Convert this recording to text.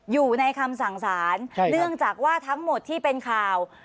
อยู่ในคำสั่งสารเนื่องจากว่าทั้งหมดที่เป็นข่าว